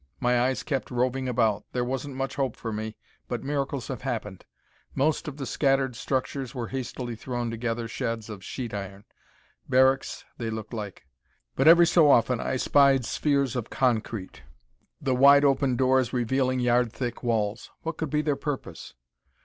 My eyes kept roving about: there wasn't much hope for me, but miracles have happened. Most of the scattered structures were hastily thrown together sheds of sheet iron. Barracks, they looked like. But, every so often I spied spheres of concrete, the wide open doors revealing yard thick walls. What could be their purpose?